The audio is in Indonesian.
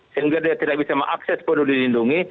sehingga dia tidak bisa mengakses peduli lindungi